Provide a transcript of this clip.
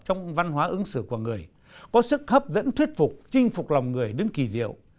trong văn hóa ứng xử của người có sức hấp dẫn thuyết phục chinh phục lòng người đến kỳ diệu